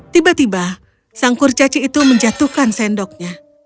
tiba tiba sang kurcaci itu menjatuhkan sendoknya